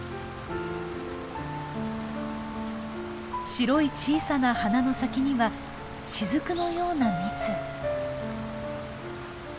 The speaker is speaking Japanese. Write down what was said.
白い小さな花の先にはしずくのような蜜。